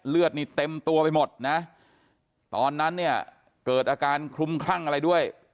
เลือดนี่เต็มตัวไปหมดนะตอนนั้นเนี่ยเกิดอาการคลุมคลั่งอะไรด้วย